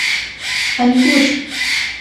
🍇 انګور